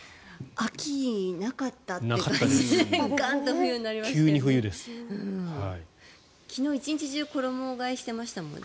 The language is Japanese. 秋、なかったって感じでガンと冬になりましたね。